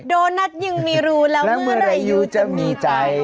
โดนัทยังมีรูแล้วเมื่อไหร่ยูจะมีใจ